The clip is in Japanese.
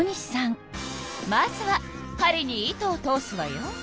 まずは針に糸を通すわよ。